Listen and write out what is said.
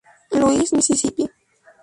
Louis, Mississippi.